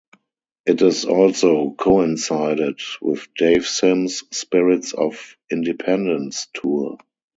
It also coincided with Dave Sim's "Spirits of Independence" tour.